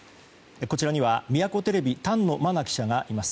こちらには宮古テレビの丹野真菜記者がいます。